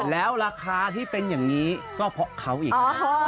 แล้วราคาที่เป็นอย่างนี้ก็เพราะเขาอีก